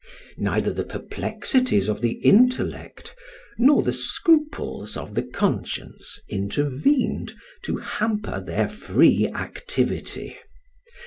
Neither the perplexities of the intellect nor the scruples of the conscience intervened to hamper their free activity.